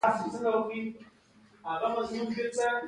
بازارک ښار د کوم ولایت مرکز دی؟